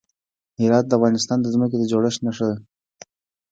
هرات د افغانستان د ځمکې د جوړښت نښه ده.